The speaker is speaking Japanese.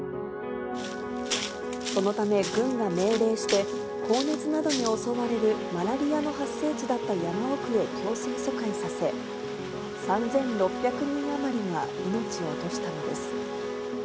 そのため、軍が命令して、高熱などに襲われるマラリアの発生地だった山奥へ強制疎開させ、３６００人余りが命を落としたのです。